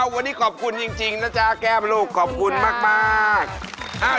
วันนี้ขอบคุณจริงนะจ๊ะแก้มลูกขอบคุณมาก